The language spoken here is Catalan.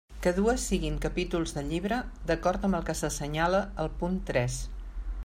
Que dues siguin capítols de llibre d'acord amb el que s'assenyala al punt tres.